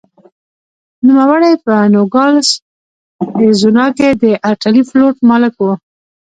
نوموړی په نوګالس اریزونا کې د ارټلي فلوټ مالک و.